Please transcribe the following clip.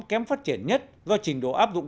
kém phát triển nhất do trình độ áp dụng